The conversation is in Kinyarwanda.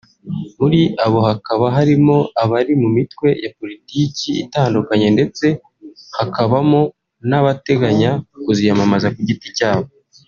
muri abo hakaba harimo abari mu mitwe ya Politiki itandukanye ndetse hakabamo n’abateganya kuziyamamaza ku giti cyabo